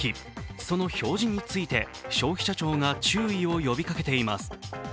その表示について消費者庁が注意を呼びかけています。